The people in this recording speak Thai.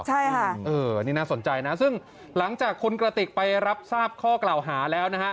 ใช่ค่ะเออนี่น่าสนใจนะซึ่งหลังจากคุณกระติกไปรับทราบข้อกล่าวหาแล้วนะฮะ